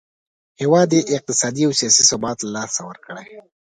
هیواد یې اقتصادي او سیاسي ثبات له لاسه ورکړی.